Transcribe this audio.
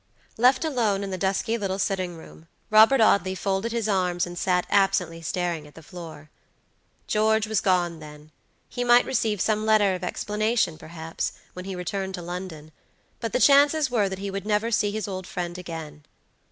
Left alone in the dusky little sitting room, Robert Audley folded his arms, and sat absently staring at the floor. George was gone, then; he might receive some letter of explanation perhaps, when he returned to London; but the chances were that he would never see his old friend again.